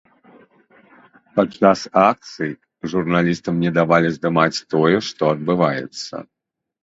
Падчас акцый журналістам не давалі здымаць тое, што адбываецца.